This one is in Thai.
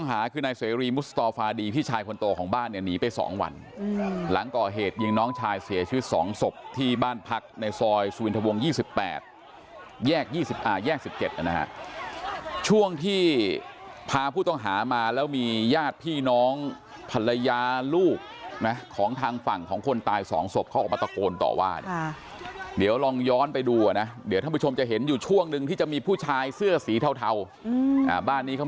เนี่ยก็คือตอนที่ท่านผู้ชมเห็นเนี่ยก็คือตอนที่ท่านผู้ชมเห็นเนี่ยก็คือตอนที่ท่านผู้ชมเห็นเนี่ยก็คือตอนที่ท่านผู้ชมเห็นเนี่ยก็คือตอนที่ท่านผู้ชมเห็นเนี่ยก็คือตอนที่ท่านผู้ชมเห็นเนี่ยก็คือตอนที่ท่านผู้ชมเห็นเนี่ยก็คือตอนที่ท่านผู้ชมเห็นเนี่ยก็คือตอนที่ท่านผู้ชมเห็นเนี่ยก็คือตอนที่ท